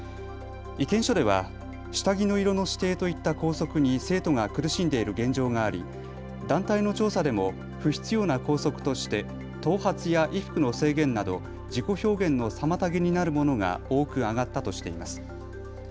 意見書では下着の色の指定といった校則に生徒が苦しんでいる現状があり団体の調査でも不必要な校則として頭髪や衣服の制限など自己表現の妨げになるものが多く上がったとしています。